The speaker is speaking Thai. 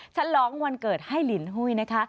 ฉลองวันเกิดให้ลินหุ้ยนะคะ